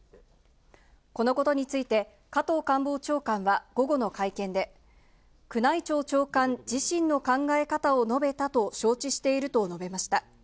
このことについて、加藤官房長官は午後の会見で、宮内庁長官自身の考え方を述べたと承知していると述べました。